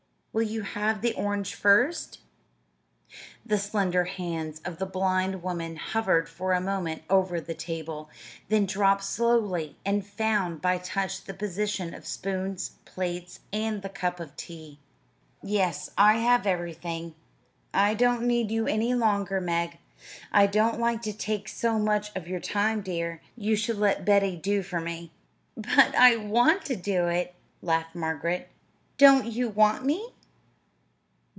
Will you have the orange first?" The slender hands of the blind woman hovered for a moment over the table, then dropped slowly and found by touch the position of spoons, plates, and the cup of tea. "Yes, I have everything. I don't need you any longer, Meg. I don't like to take so much of your time, dear you should let Betty do for me." "But I want to do it," laughed Margaret. "Don't you want me?"